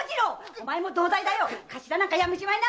お前も同罪だよ頭なんかやめちまいな！